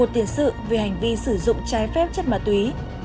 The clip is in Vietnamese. một tiền sự về hành vi sử dụng trái phép chất ma túy